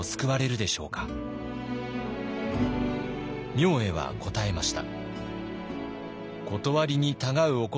明恵は答えました。